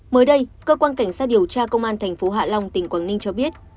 mới đây cơ quan cảnh sát điều tra công an tp hạ long tỉnh quảng ninh cho biết